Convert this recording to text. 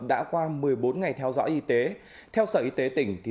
trước bốn ngày theo dõi y tế theo sở y tế tỉnh